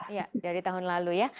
iya dari tahun lalu ya